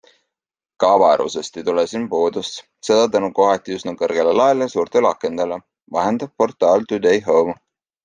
Ka avarusest ei tule siin puudust, seda tänu kohati üsna kõrgele laele ja suurtele akendele, vahendab portaal Today Home.